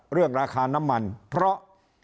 เรื่องราคาน้ำมันเพราะ